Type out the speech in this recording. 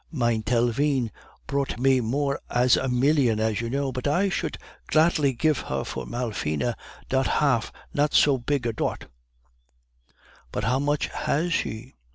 Mein Telvine prouht me more as a million, as you know, but I should gladly gif her for Malfina dot haf not so pig a dot.' "'But how much has she?